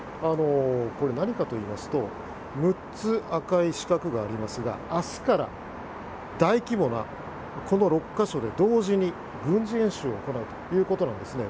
これは何かといいますと６つ、赤い四角がありますが明日から大規模なこの６か所で同時に軍事演習を行うということなんですね。